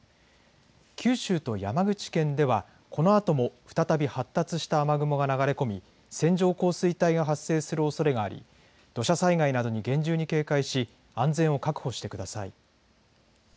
九州と山口県ではこのあとも再び発達した雨雲が流れ込み線状降水帯が発生するおそれがあり土砂災害などに厳重に警戒し安全を確保してください。